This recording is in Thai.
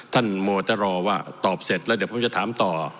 โมตรว่าตอบเสร็จแล้วเดี๋ยวผมจะถามต่อ